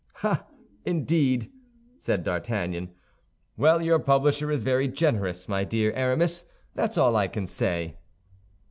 "Ah, indeed," said D'Artagnan. "Well, your publisher is very generous, my dear Aramis, that's all I can say."